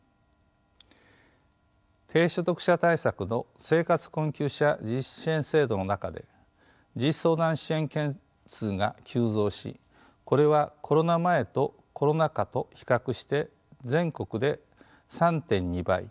低所得者対策の生活困窮者自立支援制度の中で自立相談支援件数が急増しこれはコロナ前とコロナ下と比較して全国で３．２倍。